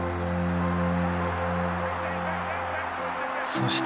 そして。